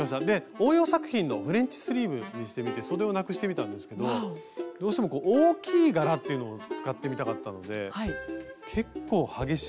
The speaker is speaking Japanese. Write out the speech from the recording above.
応用作品のフレンチスリーブにしてみてそでをなくしてみたんですけどどうしても大きい柄っていうのを使ってみたかったので結構激しい。